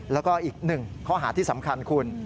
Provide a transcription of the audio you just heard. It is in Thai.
แล้วก็อีกหนึ่งข้อหาที่สำคัญคุณ